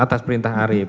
atas perintah arief